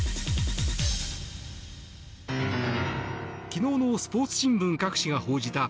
昨日のスポーツ新聞各紙が報じた